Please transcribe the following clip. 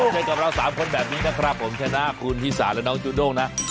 เจอกับเรา๓คนแบบนี้นะครับผมชนะคุณฮิสาและน้องจูด้งนะ